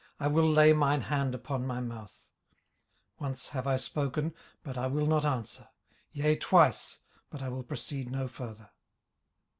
I will lay mine hand upon my mouth. 18:040:005 Once have I spoken; but I will not answer: yea, twice; but I will proceed no further.